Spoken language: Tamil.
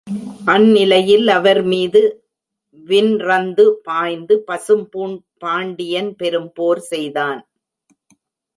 அந்நிலையில் அவர் மீது வின்ரந்து பாய்ந்து பசும்பூண் பாண்டியன் பெரும் போர் செய்தான்.